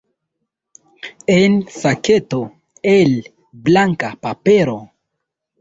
En saketo el blanka papero.